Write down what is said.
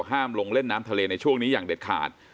ห้ามลงเล่นน้ำทะเลในช่วงนี้อย่างเด็ดขาด